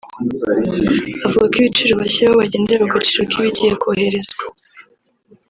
avuga ko ibiciro bashyiraho bagendera ku gaciro k’ibigiye koherezwa